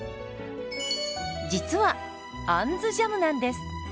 実は「あんずジャム」なんです。